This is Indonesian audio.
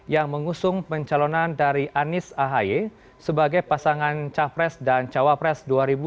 yang mengusung pencalonan dari anies ahy sebagai pasangan capres dan cawapres dua ribu dua puluh